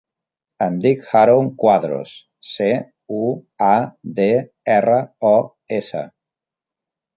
Em dic Haroun Cuadros: ce, u, a, de, erra, o, essa.